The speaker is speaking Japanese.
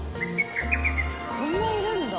そんないるんだ。